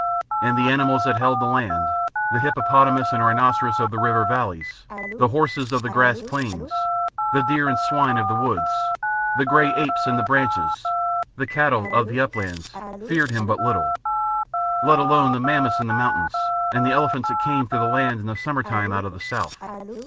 And the animals that held the land, the hippopotamus and rhinoceros of the river valleys, the horses of the grass plains, the deer and swine of the woods, the grey apes in the branches, the cattle of the uplands, feared him but little let alone the mammoths in the mountains and the elephants that came through the land in the summer time out of the south.